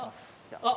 あっ。